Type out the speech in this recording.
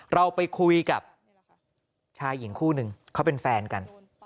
เราไปคุยกับชายหญิงคู่หนึ่งเขาเป็นแฟนกัน